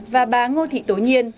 và bà ngô thị tối nhiên